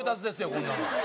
こんなの」